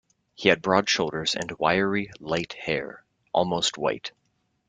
He had broad shoulders and wiry, light hair, almost white.